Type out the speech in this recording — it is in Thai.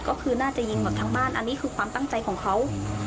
ก็คือน่าจะยิงแบบทั้งบ้านอันนี้คือความตั้งใจของเขา